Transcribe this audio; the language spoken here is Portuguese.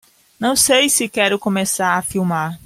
Não sei se quero começar a filmar.